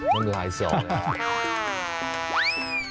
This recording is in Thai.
มันรายเซวน์